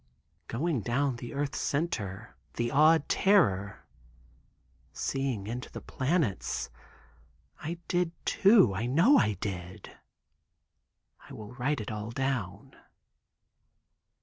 Going down the earth's center—the awed terror. Seeing into the planets—I did, too, I know I did. I will write it all out.